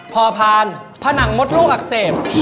โพพานผนั่งหมดโรคอักเสบ